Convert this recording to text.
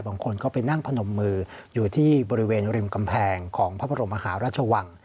บางคนก็ไปนั่งพนมมืออยู่ที่บริเวณริมกำแพงของพระบรมมหาราชวัง